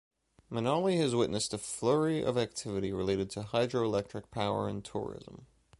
Manali has witnessed a flurry of activity related to hydroelectric power and tourism.